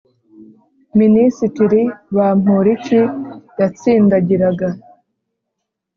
minisitiri bamporiki yatsindagiraga